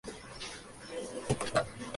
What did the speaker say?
Gabo recibió una educación científica.